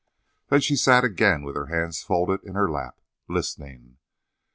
Then she sat again with her hands folded in her lap, listening.